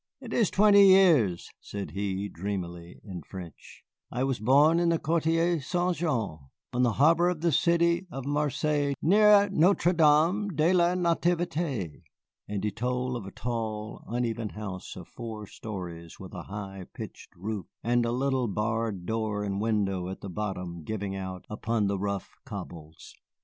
"It is twenty years," said he, dreamily, in French. "I was born in the Quartier Saint Jean, on the harbor of the city of Marseilles near Notre Dame de la Nativité." And he told of a tall, uneven house of four stories, with a high pitched roof, and a little barred door and window at the bottom giving out upon the rough cobbles.